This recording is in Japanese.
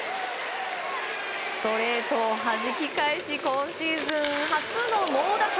ストレートをはじき返し今シーズン初の猛打賞。